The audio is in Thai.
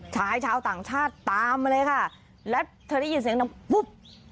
ชายชาวต่างชาติตามมาเลยค่ะแล้วเธอได้ยินเสียงดังปุ๊บ